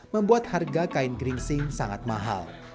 membuat harga kain geringsing sangat mahal